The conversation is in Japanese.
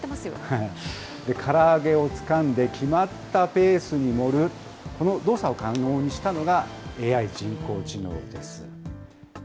から揚げをつかんで、決まったスペースに盛る、この動作を可能にしたのがＡＩ・人工知能です。